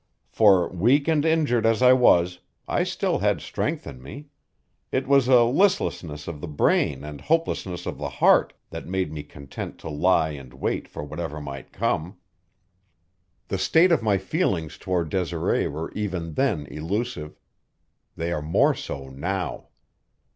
For, weak and injured as I was, I still had strength in me; it was a listlessness of the brain and hopelessness of the heart that made me content to lie and wait for whatever might come. The state of my feelings toward Desiree were even then elusive; they are more so now.